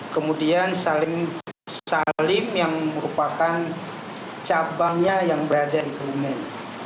kemudian salim yang merupakan cabangnya yang berada di kebumen